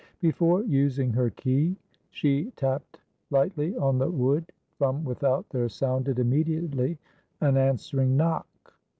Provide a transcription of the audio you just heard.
Before using her key, she tapped lightly on the wood; from without there sounded immediately an answering knock.